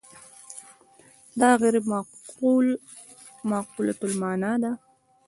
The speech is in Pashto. دا غیر معقولة المعنی ده.